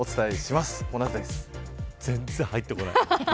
全然入ってこない。